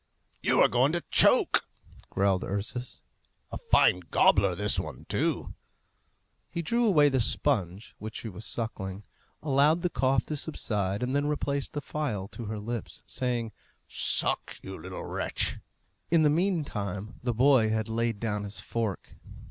"You are going to choke!" growled Ursus. "A fine gobbler this one, too!" He drew away the sponge which she was sucking, allowed the cough to subside, and then replaced the phial to her lips, saying, "Suck, you little wretch!" In the meantime the boy had laid down his fork.